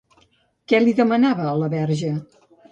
Què li demanava a la Verge?